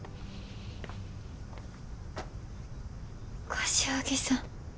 柏木さん。